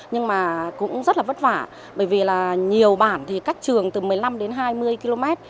nhưng mà cũng rất là vất vả bởi vì là nhiều bản thì cách trường từ một mươi năm đến hai mươi km